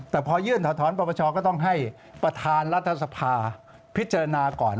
แต่พอยื่นถอดถอนปรปชก็ต้องให้ประธานรัฐสภาพิจารณาก่อน